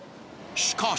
しかし